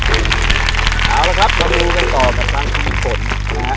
เอาละครับเรามาดูกันต่อกับทางคุณฝนนะฮะ